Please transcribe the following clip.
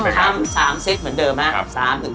ทำ๓เซตเหมือนเดิมนะครับครับ